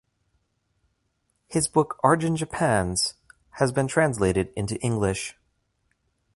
His book Argenjapan’s has been translated into English.